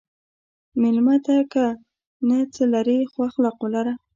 مېلمه ته که نه څه لرې، خو اخلاق ولره.